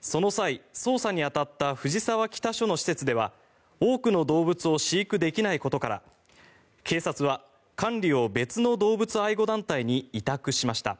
その際、捜査に当たった藤沢北署の施設では多くの動物を飼育できないことから警察は管理を別の動物愛護団体に委託しました。